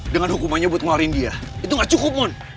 dengan hukumannya buat ngeluarin dia itu gak cukup mon